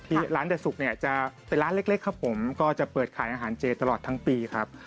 ที่ร้านเด็ดสุกเนี่ยจะเป็นร้านเล็กครับผมก็จะเปิดขายอาหารเจตลอดทั้งปีครับ